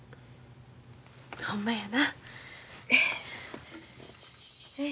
ほんまやな。